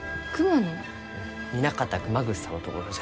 南方熊楠さんのところじゃ。